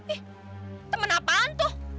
ih temen apaan tuh